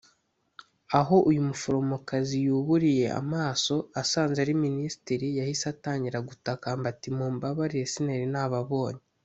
Aho uyu muforomokaziyuburiye amaso asanze ari Minisitiri yahise atangira gutakamba ati “Mumbabarire sinari nababonye